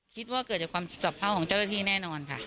คิดว่าเกิดจากความสะเภาของเจ้าหน้าที่แน่นอนค่ะ